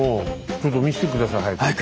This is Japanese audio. ちょっと見して下さい早く。